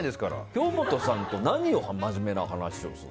京本さんと何の真面目な話をするの？